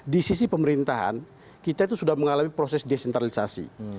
di sisi pemerintahan kita itu sudah mengalami proses desentralisasi